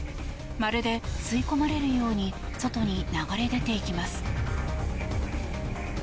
まるで吸い込まれるように外に流れ出ていきます。